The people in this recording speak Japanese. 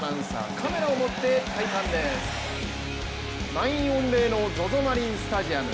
満員御礼のＺＯＺＯマリンスタジアム。